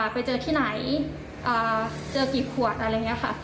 ไปเจอที่ไหนเจอกี่ขวดอะไรอย่างนี้ค่ะ